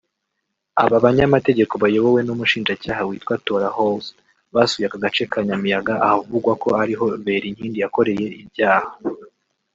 Aba banyamategeko bayobowe n’umushinjacyaha witwa Tora Holst basuye agace ka Nyamiyaga ahavugwa ko ariho Berinkindi yakoreye ibyaha